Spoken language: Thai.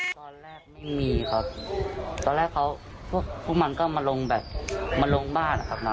ตอนแรกไม่มีครับตอนแรกเขาพวกมันก็มาลงแบบมาลงบ้านนะครับ